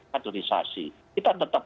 kaderisasi kita tetap